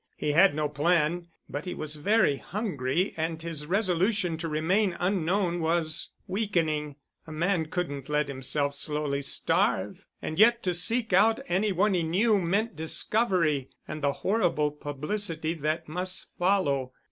He had no plan—but he was very hungry and his resolution to remain unknown was weakening. A man couldn't let himself slowly starve, and yet to seek out any one he knew meant discovery and the horrible publicity that must follow.